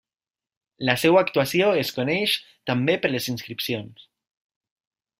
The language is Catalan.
La seva actuació es coneix també per les inscripcions.